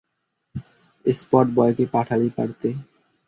Spot boy কে পাঠালেই পারতে।